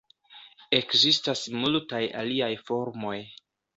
Ekzistas multaj aliaj formoj.